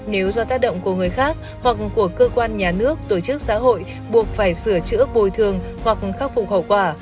nếu do tác động của người khác hoặc của cơ quan nhà nước tổ chức xã hội buộc phải sửa chữa bồi thường hoặc khắc phục hậu quả